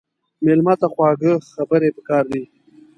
مېلمه ته خواږه خبرې پکار دي.